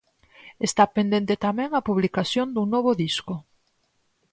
Está pendente tamén a publicación dun novo disco.